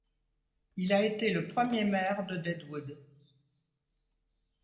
Il a été le premier maire de Deadwood.